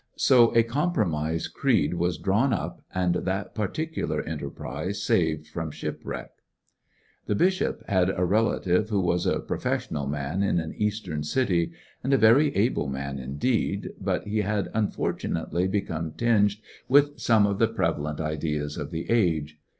So a compromise creed was drawn up and that particular enter prise saved from shipwreck. Having fun wUh The bishop had a relative who was a profes tiie bishop sional man in an Eastern city, and a very able man indeed, but he had unfortunately become . tinged with some of the prevalent ideas of the age.